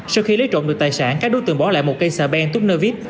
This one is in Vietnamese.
sau khi lấy trộm được tài sản các đối tượng bỏ lại một cây xà bèn túc nơ vít